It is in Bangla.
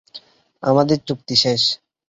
আমাদের চুক্তি শেষ।